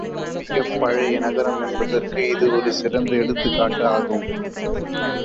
மிகப் பழைய நகரம் என்பதற்கு இது ஒரு சிறந்த எடுத்துக்காட்டு ஆகும்.